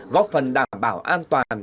góp phần đảm bảo an toàn